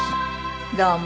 どうも。